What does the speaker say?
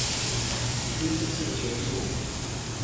一次次的结束